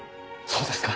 そうですか？